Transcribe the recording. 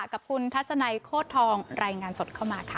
กับคุณทัศนัยโคตรทองรายงานสดเข้ามาค่ะ